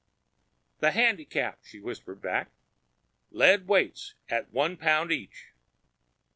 "The handicap," she whispered back. "Lead weights at one pound each."